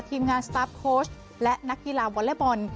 ทีมงานสตาร์ฟโค้ชและนักกีฬาวอเล็กบอล